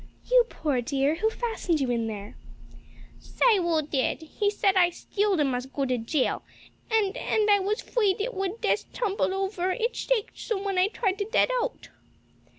"You poor dear, who fastened you in there?" "Cyril did. He said I stealed and must go to jail. And and I was 'f'aid it would des tumble over; it shaked so when I tried to det out."